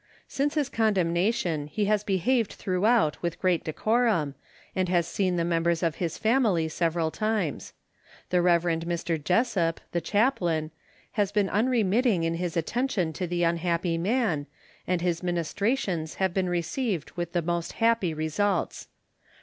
Since his condemnation he has behaved throughout with great decorum, and has seen the members of his family several times. The Rev. Mr. Jessop, the chaplain, has been unremitting in his attention to the unhappy man, and his ministrations have been received with the most happy results.